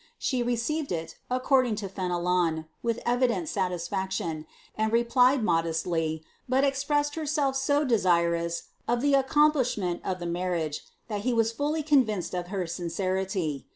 She reeeived it, according to Fenelon, with evident satisfaction, and replied Dodestly, but expressed herself so desirous of the accomplishment of the marriage, that he was fully convinced of her sincerity.